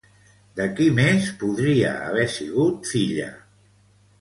De qui més podria haver sigut filla?